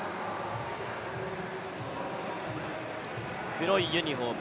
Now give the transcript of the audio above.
黒いユニフォーム